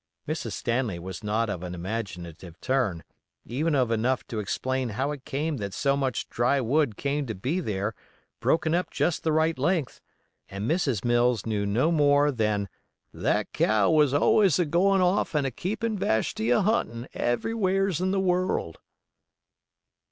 Mrs. Stanley was not of an imaginative turn, even of enough to explain how it came that so much dry wood came to be there broken up just the right length; and Mrs. Mills knew no more than that "that cow was always a goin' off and a keepin' Vashti a huntin' everywheres in the worl'."